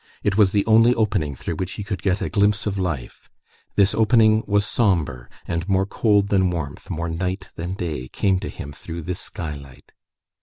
It was the only opening through which he could get a glimpse of life. This opening was sombre, and more cold than warmth, more night than day, came to him through this skylight.